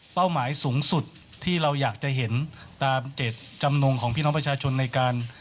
หมายสูงสุดที่เราอยากจะเห็นตามเจตจำนงของพี่น้องประชาชนในการ